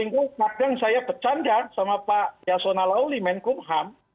kadang saya bercanda sama pak yasona lawli menkup ham